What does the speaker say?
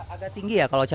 agak tinggi ya kalau cabai